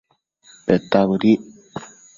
Peta bëdic